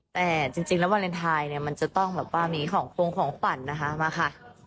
แต่จริงแล้ววาเลนไทยมันจะต้องมีของขวัญนะคะมาค่ะ